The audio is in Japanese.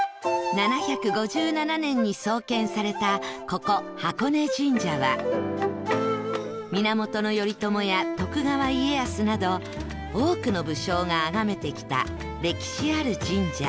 ７５７年に創建されたここ箱根神社は源頼朝や徳川家康など多くの武将があがめてきた歴史ある神社